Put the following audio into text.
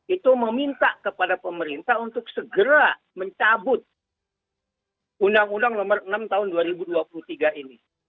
itu meminta kepada pemerintah untuk segera mencabut undang undang nomor enam tahun dua ribu dua puluh tiga ini